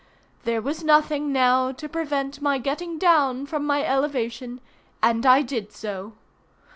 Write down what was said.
There was nothing now to prevent my getting down from my elevation, and I did so.